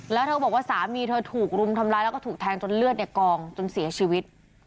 แล้วเธอบอกว่าสามีเธอถูกรุมทำร้ายแล้วก็ถูกแทงจนเลือดเนี่ยกองจนเสียชีวิต